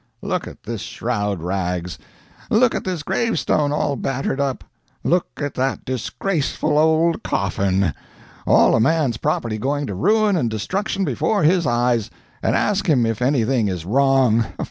Look at this shroud rags. Look at this gravestone, all battered up. Look at that disgraceful old coffin. All a man's property going to ruin and destruction before his eyes, and ask him if anything is wrong?